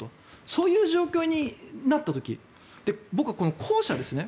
そういう状況になった時僕は、後者ですね